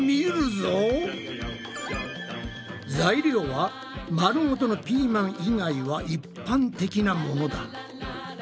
材料は丸ごとのピーマン以外は一般的なものだ。